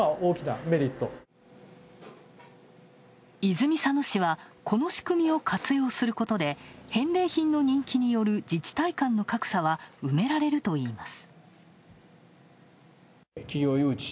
泉佐野市はこの仕組みを活用することで返礼品の人気による自治体間の格差は埋められるといいます。